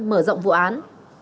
mở rộng vụ án